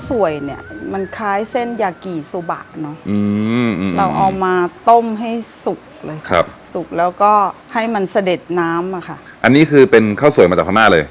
สุกเลยครับสุกแล้วก็ให้มันเสด็จน้ำอ่ะค่ะอันนี้คือเป็นข้าวสวยมาจากพม่าเลย